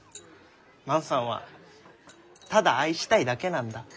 万さんはただ愛したいだけなんだ。